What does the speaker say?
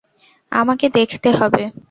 আমাকে দেখতে হবে।